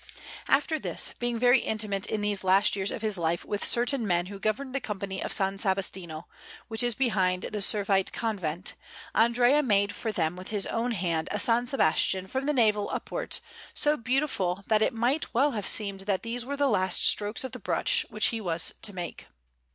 After this, being very intimate in these last years of his life with certain men who governed the Company of S. Sebastiano, which is behind the Servite Convent, Andrea made for them with his own hand a S. Sebastian from the navel upwards, so beautiful that it might well have seemed that these were the last strokes of the brush which he was to make.